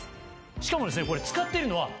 しかもですね。